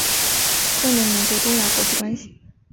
专门研究东亚国际关系。